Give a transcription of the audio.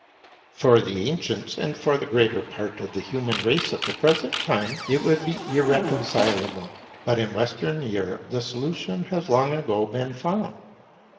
For the ancients, and for the greater part of the human race at the present time, it would be irreconcilable. But in Western Europe the solution has long ago been found.